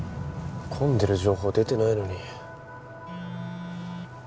混んでる情報出てないのに。